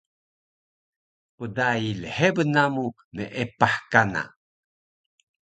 pdai lhebun namu meepah kana